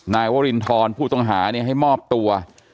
นายวรินทรผู้ต้องหาให้มอบตัว